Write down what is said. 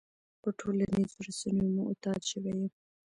په ټولنيزو رسنيو معتاد شوی يم.